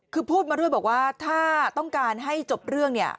คือพูดมาด้วยบอกว่าถ้าต้องการให้จบเรื่องเนี่ย